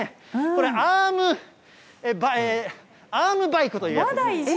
これ、アームバイクというやつです。